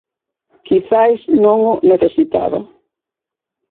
Quizais non o necesitaba.